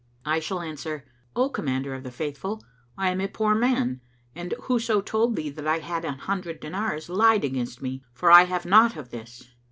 I shall answer, 'O Commander of the Faithful, I am a poor man, and whoso told thee that I had an hundred dinars lied against me; for I have naught of this.'